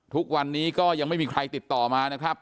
ทุกวันนี้ก็ยังไม่มีใครติดต่อมานะครับ